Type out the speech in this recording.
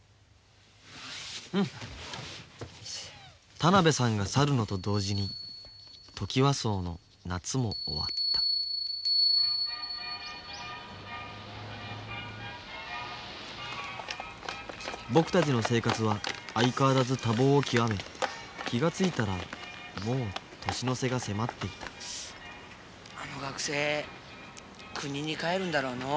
田辺さんが去るのと同時にトキワ荘の夏も終わった僕たちの生活は相変わらず多忙を極め気が付いたらもう年の瀬が迫っていたあの学生くにに帰るんだろのう。